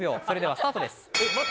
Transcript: それではスタートです。